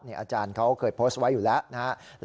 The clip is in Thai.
อาจารย์เขาเคยโพสต์ไว้อยู่แล้วนะครับ